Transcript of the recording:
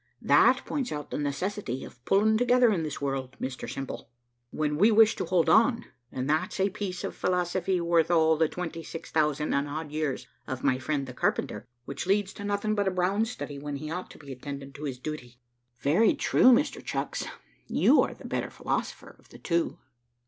That points out the necessity of pulling together in this world, Mr Simple, when we wish to hold on, and that's a piece of philosophy worth all the twenty six thousand and odd years of my friend the carpenter, which leads to nothing but a brown study, when he ought to be attending to his duty." "Very true, Mr Chucks, you are the better philosopher of the two."